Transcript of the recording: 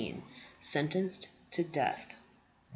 SENTENCED TO DEATH.